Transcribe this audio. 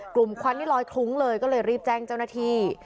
ควันนี่ลอยคลุ้งเลยก็เลยรีบแจ้งเจ้าหน้าที่